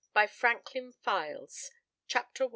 BY FRANKLIN FYLES. CHAPTER I.